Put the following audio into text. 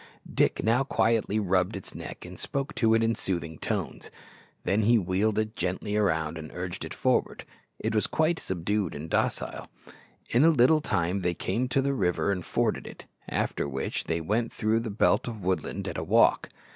Dick now quietly rubbed its neck, and spoke to it in soothing tones; then he wheeled it gently round, and urged it forward. It was quite subdued and docile. In a little time they came to the river and forded it, after which they went through the belt of woodland at a walk.